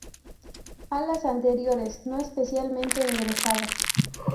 Alas anteriores no especialmente engrosadas.